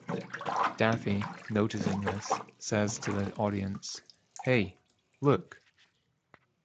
Daffy, noticing this, says to the audience, Hey, look!